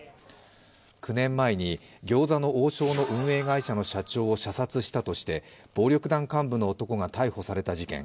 ９年前に餃子の王将の運営会社の社長を射殺したとして暴力団幹部の男が逮捕された事件。